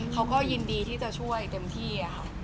เขาก็ยินดีที่จะช่วยเต็มที่ค่ะ